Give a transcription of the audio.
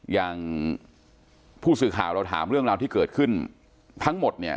อย่างผู้สื่อข่าวเราถามเรื่องราวที่เกิดขึ้นทั้งหมดเนี่ย